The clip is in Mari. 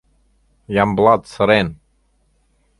ЯМБЛАТ СЫРЕН